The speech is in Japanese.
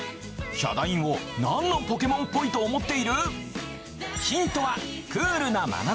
ヒャダインを何のポケモンっぽいと思っている？